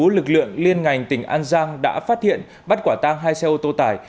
lực lượng liên ngành tỉnh an giang đã phát hiện bắt quả tang hai xe ô tô tải